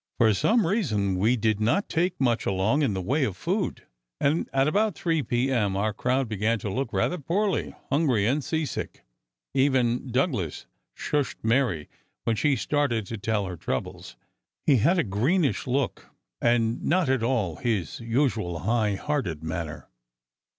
For some reason, we did not take much along in the way of food, and about three P. M. our crowd began to look rather poorly—hungry and seasick. Even Douglas shushed Mary when she started to tell her troubles. He had a greenish look, and not at all his usual high hearted manner.